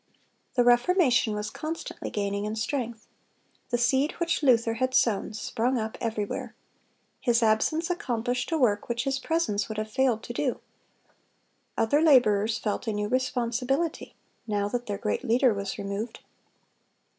The Reformation was constantly gaining in strength. The seed which Luther had sown sprung up everywhere. His absence accomplished a work which his presence would have failed to do. Other laborers felt a new responsibility, now that their great leader was removed.